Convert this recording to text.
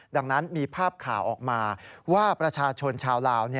ดังนั้นมีภาพข่าวออกมาว่าประชาชนชาวลาว